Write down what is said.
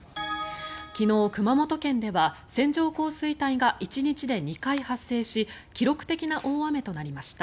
昨日、熊本県では線状降水帯が１日で２回発生し記録的な大雨となりました。